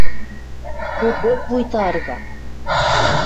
Попок вуйта ырга.